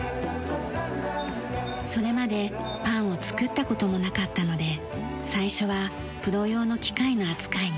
それまでパンをつくった事もなかったので最初はプロ用の機械の扱いに戸惑いました。